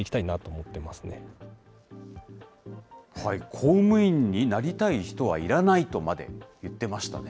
公務員になりたい人はいらないとまで言ってましたね。